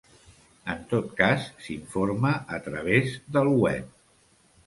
En tot cas, s'informa a través del web.